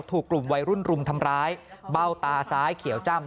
ถูกกลุ่มวัยรุ่นรุมทำร้ายเบ้าตาซ้ายเขียวจ้ำ